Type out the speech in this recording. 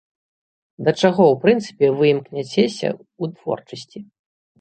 Да чаго ў прынцыпе вы імкняцеся ў творчасці?